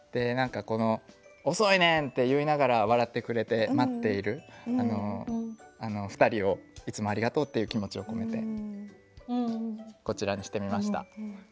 何か「遅いねん！」って言いながら笑ってくれて待っているふたりをいつもありがとうっていう気持ちを込めてこちらにしてみました。